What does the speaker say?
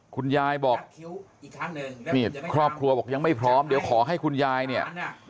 คุณยายบอกนี่ครอบครัวบอกยังไม่พร้อมเดี๋ยวขอให้คุณยายเนี่ย